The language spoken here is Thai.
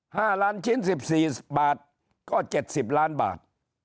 ห้าล้านชิ้นสิบสี่บาทก็เจ็ดสิบล้านบาท